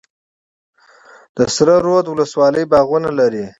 د سره رود ولسوالۍ باغونه لري